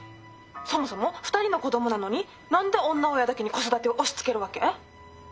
☎そもそも２人の子供なのに何で女親だけに子育てを押しつけるわけ？